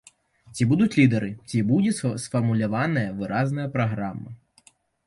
Ці будуць лідары, ці будзе сфармуляваная выразная праграма.